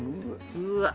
うわっ！